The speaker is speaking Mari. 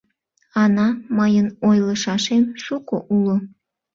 Ана, мыйын ойлышашем шуко уло.